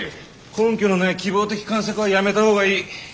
根拠のない希望的観測はやめた方がいい。